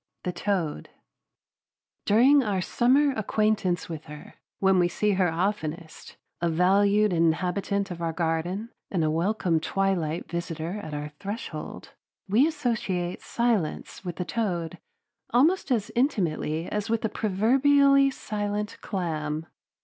XI THE TOAD During our summer acquaintance with her, when we see her oftenest, a valued inhabitant of our garden and a welcome twilight visitor at our threshold, we associate silence with the toad, almost as intimately as with the proverbially silent clam.